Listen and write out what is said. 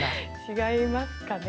違いますかね。